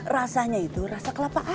rasanya itu rasa kelapaan